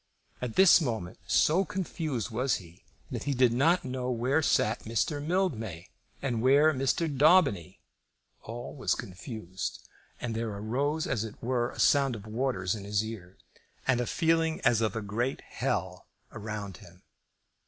At this moment, so confused was he, that he did not know where sat Mr. Mildmay, and where Mr. Daubeny. All was confused, and there arose as it were a sound of waters in his ears, and a feeling as of a great hell around him.